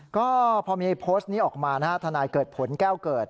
ก็พอมีโพสต์นี้ออกมานะฮะทนายเกิดผลแก้วเกิด